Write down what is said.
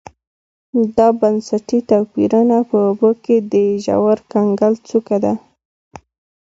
دا بنسټي توپیرونه په اوبو کې د ژور کنګل څوکه ده